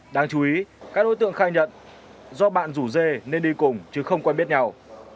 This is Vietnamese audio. đáng chú ý các đối tượng khai nhận do bạn rủ dê nên đi cùng chứ không quen biết nhau